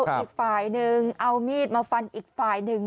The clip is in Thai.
อีกฝ่ายนึงเอามีดมาฟันอีกฝ่ายหนึ่ง